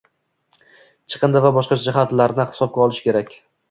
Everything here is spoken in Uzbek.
chiqindi va boshqa jihatlarni hisobga olishi kerak.